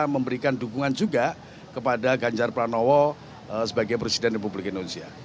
memberikan dukungan juga kepada ganjar pranowo sebagai presiden republik indonesia